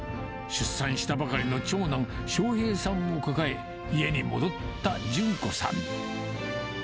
出産したばかりの長男、渉平さんを抱え、家に戻った順子さん。